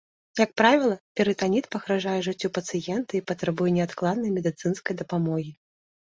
Як правіла, перытаніт пагражае жыццю пацыента і патрабуе неадкладнай медыцынскай дапамогі.